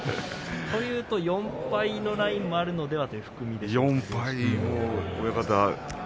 というと４敗のラインもあるという含みでしょうか。